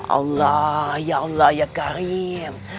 allah ya allah ya karir